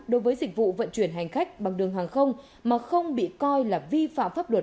đối với dịch vụ vận chuyển hành khách bằng đường hàng không mà không bị coi là vi phạm pháp luật